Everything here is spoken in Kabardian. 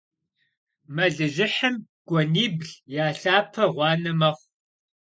Мэлыжьыхьым гуэнибл я лъапэ гъуанэ мэхъу.